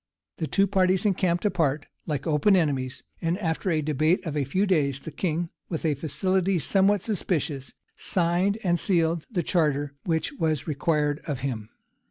The two parties encamped apart, like open enemies; and after a debate of a few days, the king, with a facility somewhat suspicious, signed and sealed the charter which was required of him.